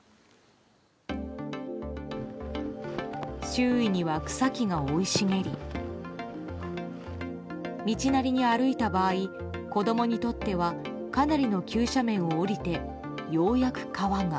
周囲には草木が生い茂り道なりに歩いた場合子供にとってはかなりの急斜面を下りてようやく川が。